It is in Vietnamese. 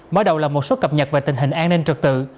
mở đầu là một số cập nhật về tình hình an ninh trật tự